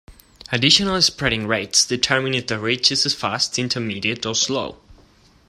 Additionally spreading rates determine if the ridge is a fast, intermediate, or slow.